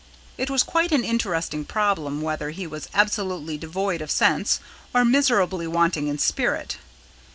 It was quite an interesting problem whether he was absolutely devoid of sense, or miserably wanting in spirit.